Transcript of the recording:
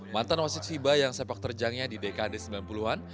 mantan wasit fiba yang sepak terjangnya di dekade sembilan puluh an